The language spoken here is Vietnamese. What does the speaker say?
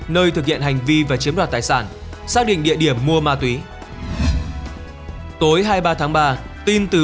nơi thực hiện hành vi và chiếm đoạt tài sản xác định địa điểm mua ma túy tối hai mươi ba tháng ba tin từ